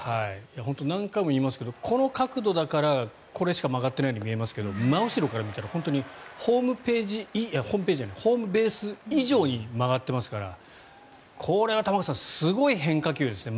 本当、何回も言いますけどこの角度だからこれしか曲がってないように見えますが、真後ろから見たらホームベース以上に曲がってますからこれは玉川さんすごい変化球ですね。